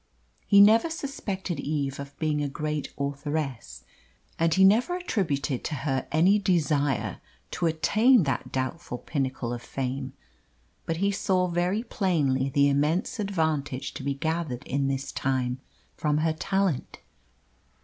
He never suspected Eve of being a great authoress, and he never attributed to her any desire to attain that doubtful pinnacle of fame. But he saw very plainly the immense advantage to be gathered in this time from her talent.